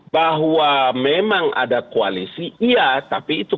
bahwa memang ada koalisi iya tapi itu